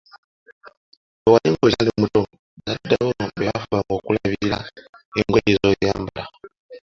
Bwe wali ng‘okyali muto, bazadde bo be bafubanga okukulabira engoye z’oyambala.